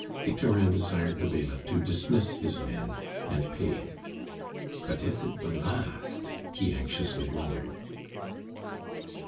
Victorin desired the bailiff to dismiss his men, and paid. "But is it the last?" he anxiously wondered.